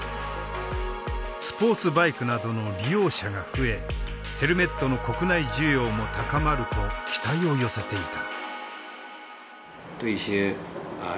スポーツバイクなどの利用者が増えヘルメットの国内需要も高まると期待を寄せていた。